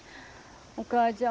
お母ちゃん